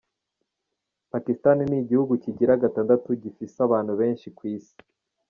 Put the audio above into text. Pakistan ni igihugu kigira gatandatu gifise abantu benshi kw'isi.